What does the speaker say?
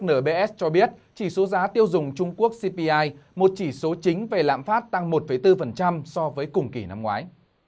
nbs cho biết chỉ số giá tiêu dùng trung quốc cpi một chỉ số chính về lạm phát tăng một bốn so với cùng kỳ năm ngoái